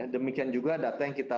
demikian juga data yang kita